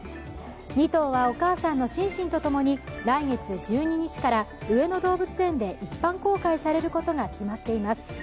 ２頭はお母さんのシンシンと共に来月１２日から上野動物園で一般公開されることが決まっています。